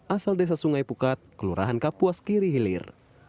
asal desa sungai pukat kelurahan kapuas kirihilir